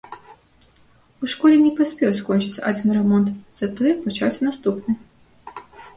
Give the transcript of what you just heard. У школе не паспеў скончыцца адзін рамонт, затое пачаўся наступны.